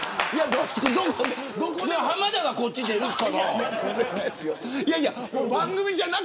浜田がこっち出るかな。